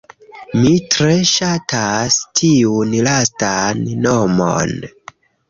Mi tre ŝatas tiun lastan nomon!